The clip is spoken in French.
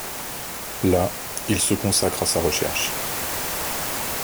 Là, il se consacre à sa recherche.